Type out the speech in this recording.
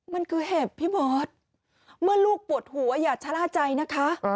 มันคือเห็บพี่เบิร์ตเมื่อลูกปวดหัวอย่าชะล่าใจนะคะ